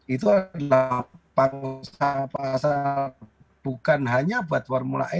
itu adalah bangsa bangsa bukan hanya buat formula e